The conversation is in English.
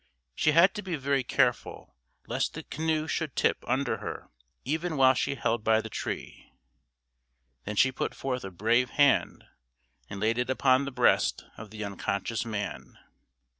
She had to be very careful lest the canoe should tip under her even while she held by the tree. Then she put forth a brave hand, and laid it upon the breast of the unconscious man.